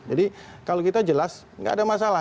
jadi kalau kita jelas nggak ada masalah